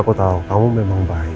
aku tahu kamu memang baik